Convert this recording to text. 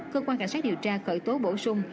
cơ quan cảnh sát điều tra khởi tố bổ sung